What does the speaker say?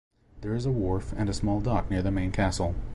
There is a wharf and a small dock near the main castle.